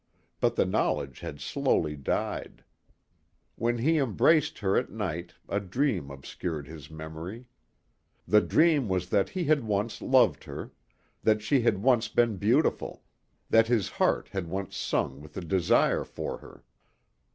But the knowledge had slowly died. When he embraced her at night a dream obscured his memory. The dream was that he had once loved her, that she had once been beautiful, that his heart had once sung with desire for her.